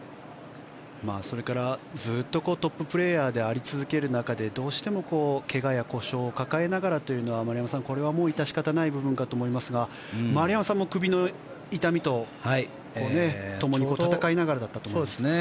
それからずっとトッププレーヤーであり続ける中でどうしても怪我や故障を抱えながらというのは丸山さん、これは致し方ない部分かと思いますが丸山さんも首の痛みとともに闘いながらだったと思いますが。